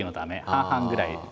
半々ぐらい。